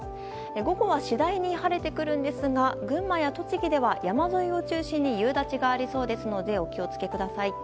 午後は次第に晴れてくるんですが群馬や栃木では山沿いを中心に夕立がありそうですのでお気をつけください。